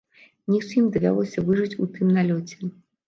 Не ўсім давялося выжыць у тым налёце.